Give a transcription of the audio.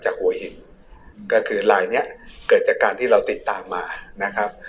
หัวหินก็คือลายเนี้ยเกิดจากการที่เราติดตามมานะครับ